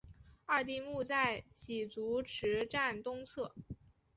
二丁目在洗足池站东侧。